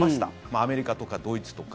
アメリカとかドイツとか。